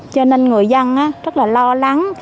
cho nên người dân rất là lo lắng